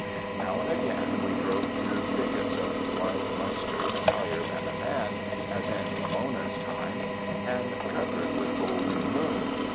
Now and again we drove through thickets of wild mus tard, higher than a man, as in Ramona's time, and covered with golden bloom.